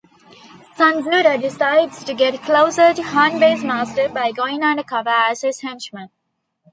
Sanjuro decides to get closer to Hanbei's master by going undercover as his henchman.